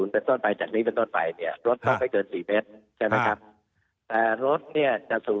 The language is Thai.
เป็นต้นไปจากนี้เป็นต้นไปเนี่ย